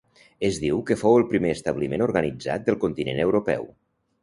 Es diu que fou el primer establiment organitzat del continent europeu.